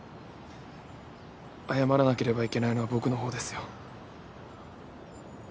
謝らなければいけないのは僕の方ですよ。